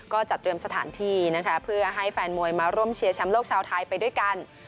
ก็จัดเตรียมสถานที่นะคะเพื่อให้แฟนมวยมาร่วมเชียร์แชมป์โลกชาวไทยไปด้วยกัน